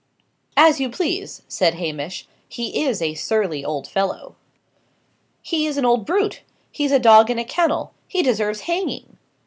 "As you please," said Hamish. "He is a surly old fellow." "He is an old brute! he's a dog in a kennel! he deserves hanging!"